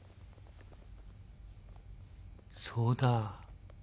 「そうだ。